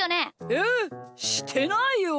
えしてないよ！